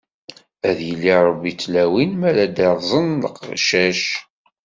Ad yili Ṛebbi d tlawin, mi ara d-rẓen leqcac.